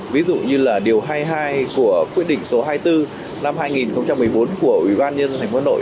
ví dụ như là điều hai mươi hai của quyết định số hai mươi bốn năm hai nghìn một mươi bốn của ủy ban nhân thành phố hà nội